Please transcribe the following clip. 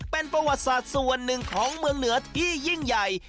เป็นประวัติศาสตร์ส่วนหนึ่งของเมืองเหนือที่ยิ่งใหญ่